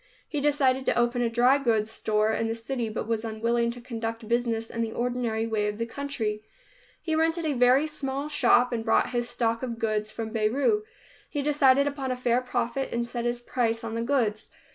He decided to open a dry goods store in the city, but was unwilling to conduct business in the ordinary way of the country. He rented a very small shop and brought his stock of goods from Beirut. He decided upon a fair profit, and set his price on the goods.